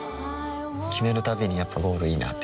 決めるたびにやっぱゴールいいなってふん